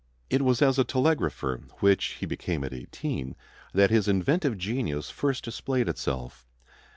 _] It was as a telegrapher, which he became at eighteen, that his inventive genius first displayed itself.